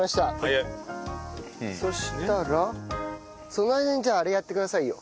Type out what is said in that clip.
その間にじゃああれやってくださいよ。